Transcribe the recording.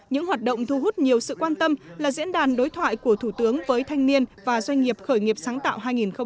những hoạt động thu hút nhiều sự quan tâm là diễn đàn đối thoại của thủ tướng với thanh niên và doanh nghiệp khởi nghiệp sáng tạo hai nghìn một mươi chín